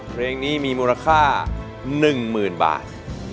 เพลงนี้มีมูลค่า๑๐๐๐บาท